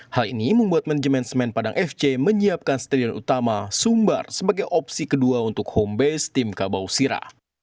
hal ini membuat manajemen semen padang fc menyiapkan stadion utama sumbar sebagai opsi kedua untuk home base tim kabau sira